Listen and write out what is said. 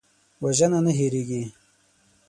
وژنه نه هېریږي